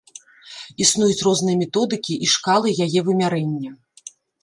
Існуюць розныя методыкі і шкалы яе вымярэння.